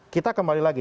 kita kembali lagi